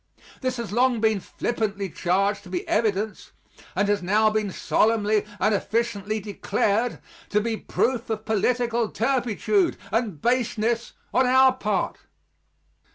This has long been flippantly charged to be evidence and has now been solemnly and officially declared to be proof of political turpitude and baseness on our part.